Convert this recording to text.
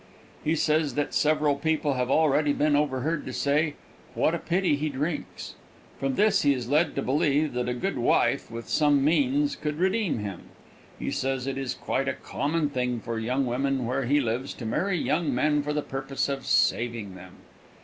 He says that several people have already been overheard to say: "What a pity he drinks." From this he is led to believe that a good wife, with some means, could redeem him. He says it is quite a common thing for young women where he lives to marry young men for the purpose of saving them.